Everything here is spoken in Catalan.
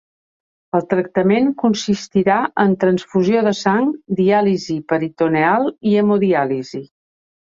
El tractament consistirà en transfusió de sang, diàlisi peritoneal o hemodiàlisi.